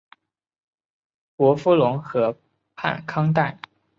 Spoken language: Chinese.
伯夫龙河畔康代。